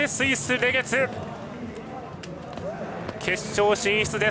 決勝進出！